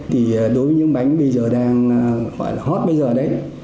thì đối với những bánh bây giờ đang hot bây giờ đấy